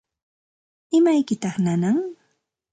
¿Imaykitaq nanan?